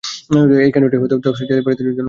এই কেন্দ্রটি তফসিলি জাতি প্রার্থীদের জন্য সংরক্ষিত।